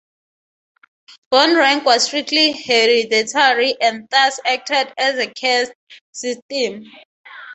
Bone rank was strictly hereditary, and thus acted as a caste system.